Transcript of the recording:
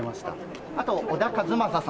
あと小田和正さんの。